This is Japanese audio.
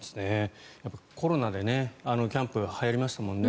やっぱりコロナでキャンプはやりましたもんね。